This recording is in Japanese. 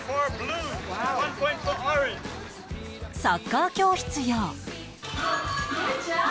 サッカー教室や